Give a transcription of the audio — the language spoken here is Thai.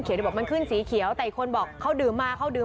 เกิดไหวแล้วคุณก็ลอยกลับเท่าที่เก่านี้